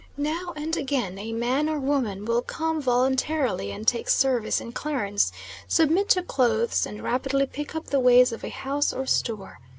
Now and again a man or woman will come voluntarily and take service in Clarence, submit to clothes, and rapidly pick up the ways of a house or store.